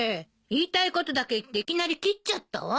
言いたいことだけ言っていきなり切っちゃったわ。